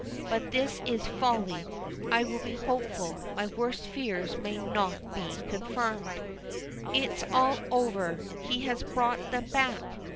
But this is folly. I will be hopeful: my worst fears may not be confirmed. It's all over he has brought them back!